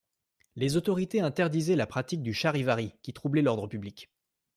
Les autorités interdisaient la pratique du charivari qui troublait l'ordre public.